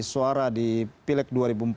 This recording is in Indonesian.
suara di pileg dua ribu empat belas